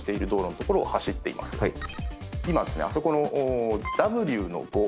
今ですねあそこの。